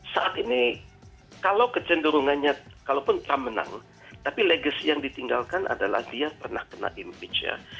saat ini kalau kecenderungannya kalaupun trump menang tapi legacy yang ditinggalkan adalah dia pernah kena impeach ya